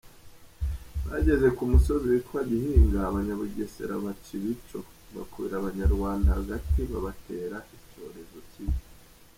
Bageze ku musozi witwa Gihinga abanyabugesera baca ibico; bakubira abanyarwanda hagati babatera icyorezo kibi